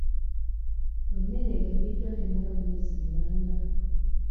Emmere egabiddwa temala mwezi mulamba.